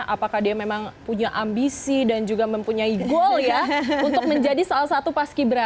apakah dia memang punya ambisi dan juga mempunyai goal ya untuk menjadi salah satu paski beraka